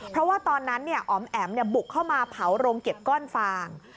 เพราะว่าตอนนั้นอ๋อมแอ๋มบุกเข้ามาเผาโรงเก็บก้อนฟาง